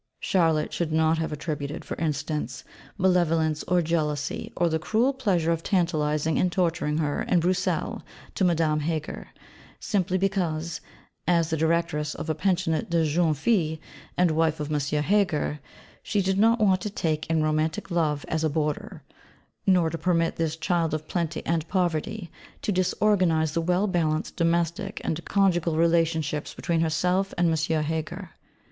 Charlotte should not have attributed, for instance, malevolence or jealousy or the cruel pleasure of tantalising and torturing her in Bruxelles to Madame Heger, simply because, as the Directress of a Pensionnat de Jeunes Filles and wife of M. Heger, she did not want to take in Romantic Love as a boarder; nor to permit this 'Child of plenty and poverty' to disorganise the well balanced domestic and conjugal relationships between herself and M. Heger.